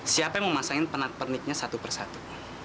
siapa yang mau masangin penat peniknya satu persatu